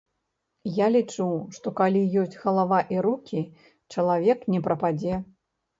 Я лічу, што калі ёсць галава і рукі, чалавек не прападзе.